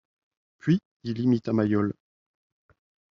Puis, il imita Mayol.